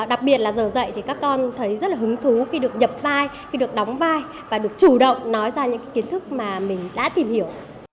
đặc biệt là giờ dạy thì các con thấy rất là hứng thú khi được nhập vai khi được đóng vai và được chủ động nói ra những kiến thức mà mình đã tìm hiểu